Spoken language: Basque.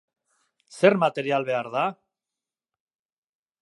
Zer material behar da?